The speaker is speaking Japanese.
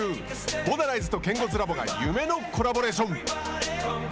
ボナライズとケンゴズラボが夢のコラボレーション。